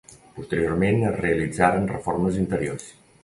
Posteriorment es realitzaren reformes interiors.